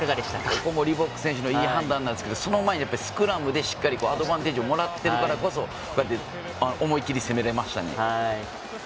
ここもリボック選手のいい判断なんですがその前にスクラムでアドバンテージをもらっているからこそ思い切り攻めれましたね。